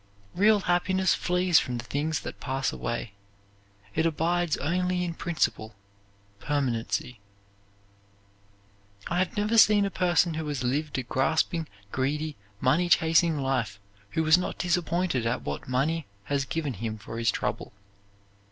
Real happiness flees from the things that pass away; it abides only in principle, permanency. I have never seen a person who has lived a grasping, greedy, money chasing life, who was not disappointed at what money has given him for his trouble.